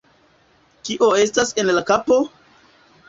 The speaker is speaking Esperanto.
Kio estas en la kapo?